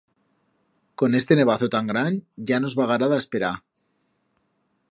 Con este nevazo tan gran ya nos vagará d'asperar.